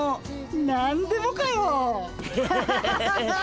何でもかよ。